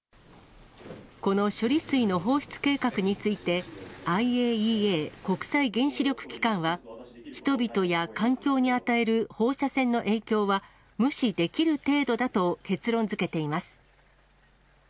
この処理水の放出計画について、ＩＡＥＡ・国際原子力機関は、人々や環境に与える放射線の影響は、無視できる程度だと結論づけています。